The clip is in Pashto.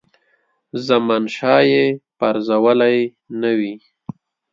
زمانشاه یې پرزولی نه وي.